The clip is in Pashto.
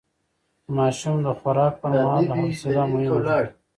د ماشوم د خوراک پر مهال حوصله مهمه ده.